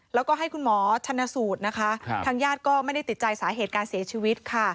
แล้วก็ให้คุณหมอชนสูตรนะคะทางญาติก็ไม่ได้ติดใจสาเหตุการเสียชีวิตค่ะ